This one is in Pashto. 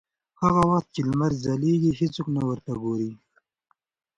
هغه وخت چې لمر ځلېږي هېڅوک نه ورته ګوري.